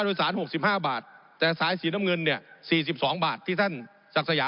ผมอภิปรายเรื่องการขยายสมภาษณ์รถไฟฟ้าสายสีเขียวนะครับ